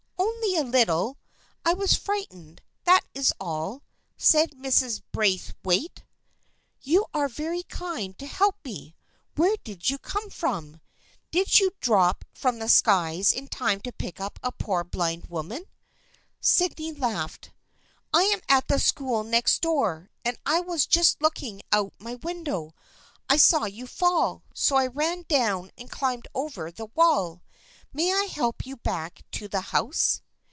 " Only a little. I was frightened, that is all," said Mrs. Braithwaite ;" you are very kind to help me. Where did you come from ? Did you drop THE FRIENDSHIP OF ANNE 173 from the skies in time to pick up a poor blind woman ?" Sydney laughed. " I am at the school next door, and I was just looking out of my window. I saw you fall, so I ran down and climbed over the wall. May I help you back to the house